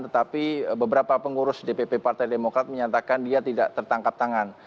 tetapi beberapa pengurus dpp partai demokrat menyatakan dia tidak tertangkap tangan